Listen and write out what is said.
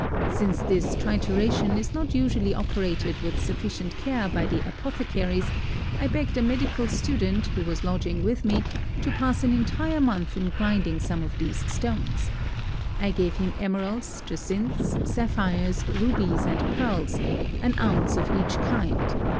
Since this trituration is not usually operated with sufficient care by the apothecaries, I begged a medical student, who was lodging with me, to pass an entire month in grinding some of these stones. I gave him emeralds, jacinths, sapphires, rubies, and pearls, an ounce of each kind.